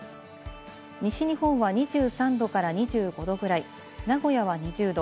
西日本は２３度から２５度ぐらい、名古屋は２０度。